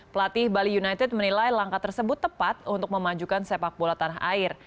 pelatih bali united menilai langkah tersebut tepat untuk memajukan sepak bola tanah air